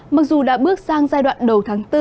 mặc dù đã bước sang giai đoạn đầu tháng bốn